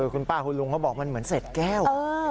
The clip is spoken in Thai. คุณป้าคุณลุงเขาบอกมันเหมือนเศษแก้ว